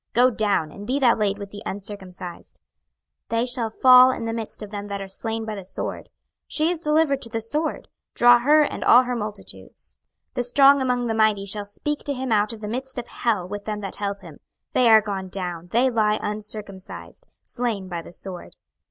go down, and be thou laid with the uncircumcised. 26:032:020 They shall fall in the midst of them that are slain by the sword: she is delivered to the sword: draw her and all her multitudes. 26:032:021 The strong among the mighty shall speak to him out of the midst of hell with them that help him: they are gone down, they lie uncircumcised, slain by the sword.